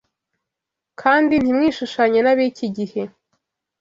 Kandi ntimwishushanye n’ab’iki gihe